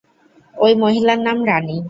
ওই মহিলার নাম রানী।